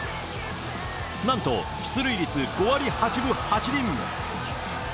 なんと、出塁率５割８分８厘。